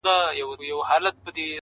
که مُلایان دي که یې چړیان دي,